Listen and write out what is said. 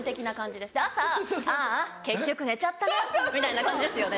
で朝ああ結局寝ちゃったなみたいな感じですよね。